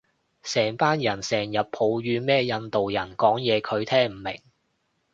成班人成人抱怨咩印度人講嘢佢聽唔明